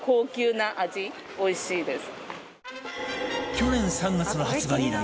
去年３月の発売以来